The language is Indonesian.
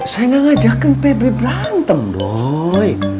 saya gak ngajakin pebri berantem doy